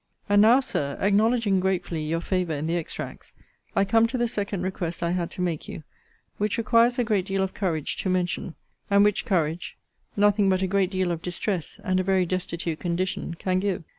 And now, Sir, acknowledging gratefully your favour in the extracts, I come to the second request I had to make you; which requires a great deal of courage to mention; and which courage nothing but a great deal of distress, and a very destitute condition, can give.